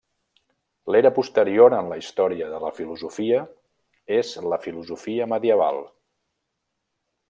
L'era posterior en la història de la filosofia és la filosofia medieval.